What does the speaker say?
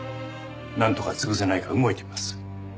なんとか潰せないか動いてみます。